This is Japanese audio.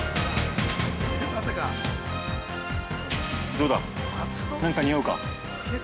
◆どうだ、何か匂うか？